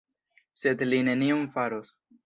Sed li nenion faros.